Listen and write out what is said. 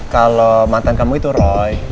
kalau mantan kamu itu roy